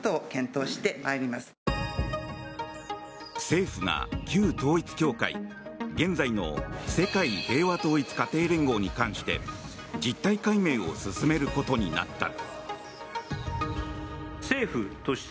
政府が旧統一教会、現在の世界平和統一家庭連合に関して実態解明を進めることになった。